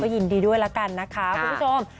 ยินดีด้วยละกันนะคะคุณผู้ชม